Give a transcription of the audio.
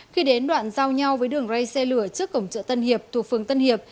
khi đến đoạn giao nhau với đường rây xe lửa trước cổng chợ tân hiệp thuộc phường tân hiệp